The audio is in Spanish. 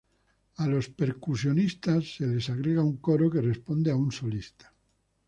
A los percusionistas se les agrega un coro que responde a un solista.